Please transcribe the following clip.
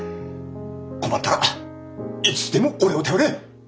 困ったらいつでも俺を頼れ！